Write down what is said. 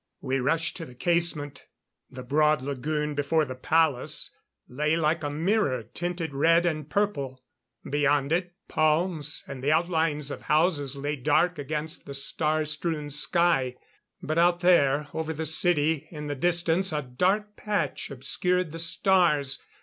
"_ We rushed to the casement. The broad lagoon before the palace lay like a mirror tinted red and purple. Beyond it, palms and the outlines of houses lay dark against the star strewn sky. But out there, over the city, in the distance a dark patch obscured the stars.